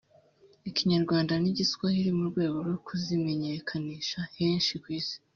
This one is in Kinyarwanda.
Ikinyarwanda n’Igiswahili mu rwego rwo kuzimenyekanisha henshi ku isi